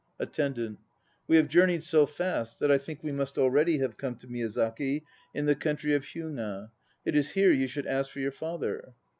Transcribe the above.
ATTENDANT. We have journeyed so fast that I think we must already have come to Miyazaki in the country of Hyuga. It is here you should ask for your father.